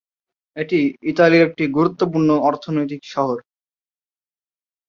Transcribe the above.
এটি ইতালির একটি গুরুত্বপূর্ণ অর্থনৈতিক শহর।